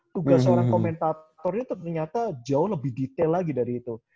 tugas seorang komentator itu ternyata jauh lebih detail lagi dari itu